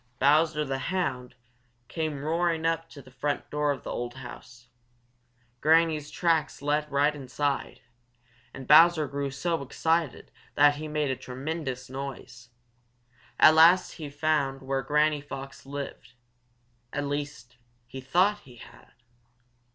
Bowser the Hound came roaring up to the front door of the old house. Granny's tracks led right inside, and Bowser grew so excited that he made a tremendous noise. At last he had found where Granny Fox lived; at least he thought he had.